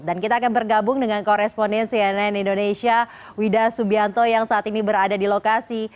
dan kita akan bergabung dengan koresponen cnn indonesia wida subianto yang saat ini berada di lokasi